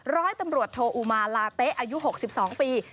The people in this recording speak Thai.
ร้อยตำรวจโทอุมาลาเต๊ะอายุ๖๒ปี